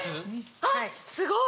あっすごい！